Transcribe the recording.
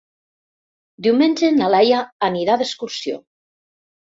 Diumenge na Laia anirà d'excursió.